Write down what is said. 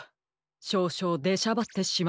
しょうしょうでしゃばってしまったようです。